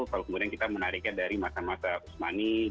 kalau kemudian kita menariknya dari masa masa usmani